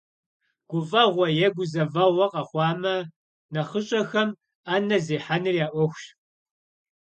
Гуфӏэгъуэ е гузэвэгъуэ къэхъуамэ, нэхъыщӏэхэм, ӏэнэ зехьэныр я ӏуэхущ.